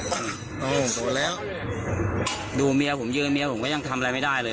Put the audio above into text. โอ้โหโตแล้วดูเมียผมยืนเมียผมก็ยังทำอะไรไม่ได้เลย